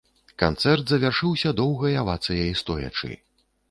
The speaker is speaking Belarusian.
Канцэрт завяршыўся доўгай авацыяй стоячы.